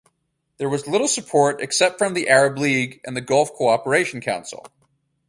There was little support, except from the Arab League and the Gulf Cooperation Council.